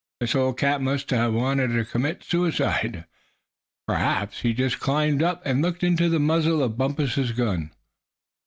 This old cat must a wanted to commit suicide. P'raps he just climbed up and looked into the muzzle of Bumpus' gun."